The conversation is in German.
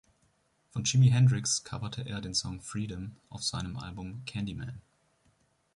Von Jimi Hendrix coverte er den Song "Freedom" auf seinem Album "Candyman".